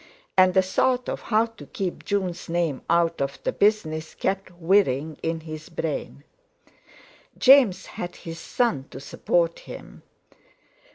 And the thought of how to keep Jun's name out of the business kept whirring in his brain. James had his son to support him!